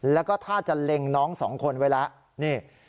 แล้วก็ถ้าจะเล็งน้องสองคนไว้แล้วนี่